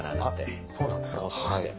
あっそうなんですか。